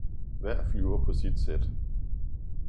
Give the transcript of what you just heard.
»Hver flyver paa sit Sæt!